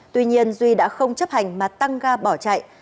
tuy nhiên duy đã không chấp hành mà tăng ga bỏ chạy